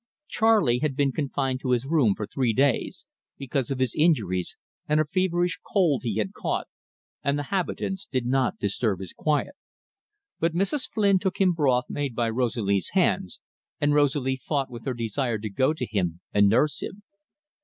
Charley had been confined to his room for three days, because of his injuries and a feverish cold he had caught, and the habitants did not disturb his quiet. But Mrs. Flynn took him broth made by Rosalie's hands, and Rosalie fought with her desire to go to him and nurse him.